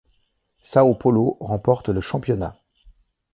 São Paulo remporte le championnat.